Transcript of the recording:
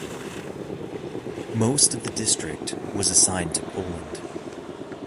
Most of the district was assigned to Poland.